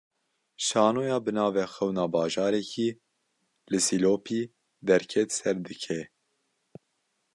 Şanoya bi navê "Xewna Bajarekî", li Silopî derket ser dikê